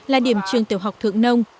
là điểm trường tiểu học thượng nông